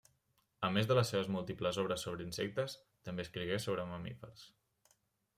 A més de les seves múltiples obres sobre insectes, també escrigué sobre mamífers.